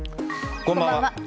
こんばんは。